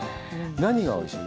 何がおいしい？